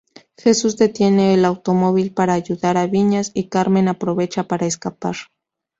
Jesús detiene el automóvil para ayudar a Viñas, y Carmen aprovecha para escapar.